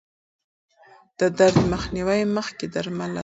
د درد مخنیوي مخکې درمل اثر کوي.